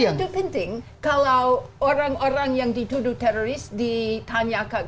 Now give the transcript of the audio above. itu penting kalau orang orang yang dituduh teroris ditanyakan